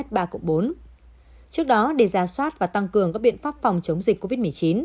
trước đó để ra soát và tăng cường các biện pháp phòng chống dịch covid một mươi chín